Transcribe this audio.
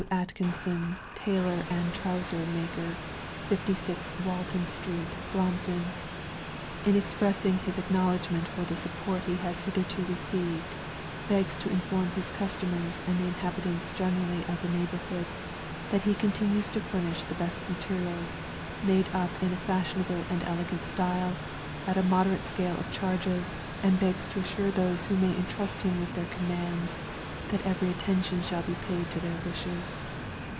ATKINSON, TAILOR AND TROUSERS MAKER, 56, WALTON STREET, BROMPTON. IN expressing his acknowledgement for the support he has hitherto received, begs to inform his Customers and the Inhabitants generally of the neighbourhood, that he continues to furnish the best materials, made up in a fashionable and elegant style, at a moderate scale of charges; and begs to assure those who may entrust him with their commands, that every attention shall be paid to their wishes.